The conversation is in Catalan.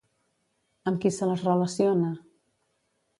Amb qui se les relaciona?